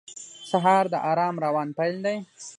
سهار د آرام روان پیل دی.